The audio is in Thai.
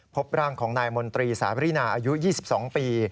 พบร่างของนายมนตรีสาวรินาอายุ๒๒ปี